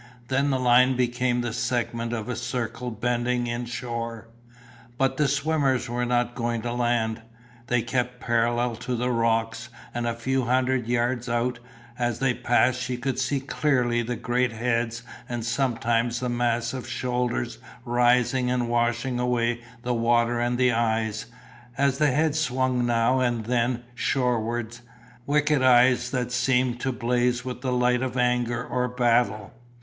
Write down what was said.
Then the line became the segment of a circle bending in shore. But the swimmers were not going to land; they kept parallel to the rocks and a few hundred yards out, and as they passed she could see clearly the great heads and sometimes the massive shoulders rising and washing away the water and the eyes, as the heads swung now and then shorewards, wicked eyes that seemed to blaze with the light of anger or battle.